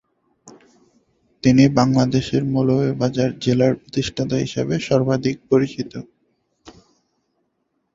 তিনি বাংলাদেশের মৌলভীবাজার জেলার প্রতিষ্ঠাতা হিসেবে সর্বাধিক পরিচিত।